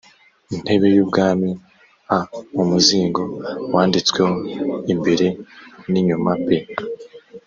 ntebe y ubwami a umuzingo wanditsweho imbere n inyuma b